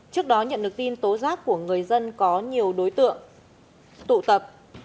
trước đó nhận được tin tố giác của người dân có nhiều đối tượng tụ tập